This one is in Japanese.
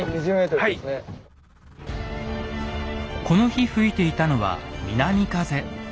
この日吹いていたのは南風。